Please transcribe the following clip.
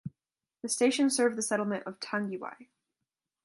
The station served the settlement of Tangiwai.